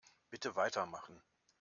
Bitte weitermachen.